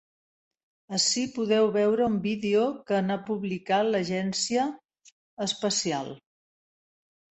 Ací podeu veure un vídeo que n’ha publicat l’agència espacial.